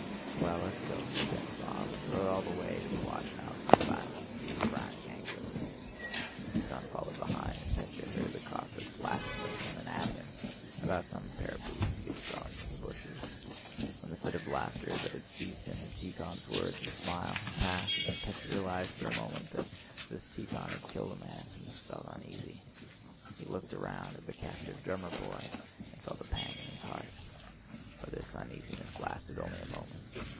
"Well, let's go," said Denísov, and rode all the way to the watchhouse in silence and frowning angrily. Tíkhon followed behind and Pétya heard the Cossacks laughing with him and at him, about some pair of boots he had thrown into the bushes. When the fit of laughter that had seized him at Tíkhon's words and smile had passed and Pétya realized for a moment that this Tíkhon had killed a man, he felt uneasy. He looked round at the captive drummer boy and felt a pang in his heart. But this uneasiness lasted only a moment.